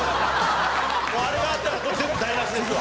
もうあれがあったから全部台無しですわ。